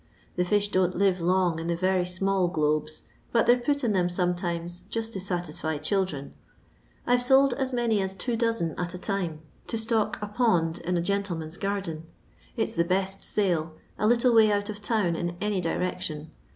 The fish don't live long in the very small globes, but they 're put in them sometimes just to satisfy children. I 've sold as many at two doien at a time to stock a pond in a gentleman's garden. It 's the best sale a little way out of town, in any direction.